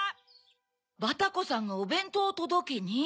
バタコさんがおべんとうをとどけに？